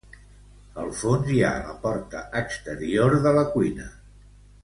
Al fons, hi ha la porta exterior de la cuina.